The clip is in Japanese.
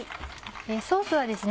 ソースはですね